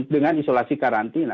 dengan isolasi karantina